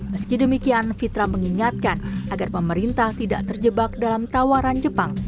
meski demikian fitra mengingatkan agar pemerintah tidak terjebak dalam tawaran jepang